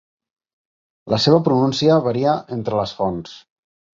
La seva pronúncia varia entre les fonts.